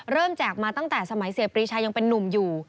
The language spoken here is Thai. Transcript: แจกมาตั้งแต่สมัยเสียปรีชายังเป็นนุ่มอยู่